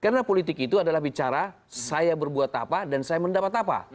karena politik itu adalah bicara saya berbuat apa dan saya mendapat apa